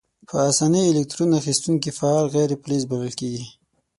په آساني الکترون اخیستونکي فعال غیر فلز بلل کیږي.